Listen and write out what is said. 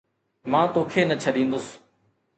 مان توکي نه ڇڏيندس